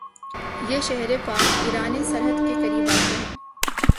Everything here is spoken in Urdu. یہ شہر پاک ایران سرحد کے قریب واقع ہے